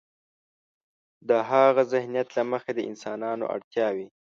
د هاغه ذهنیت له مخې د انسانانو اړتیاوې.